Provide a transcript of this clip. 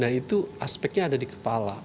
nah itu aspeknya ada di kepala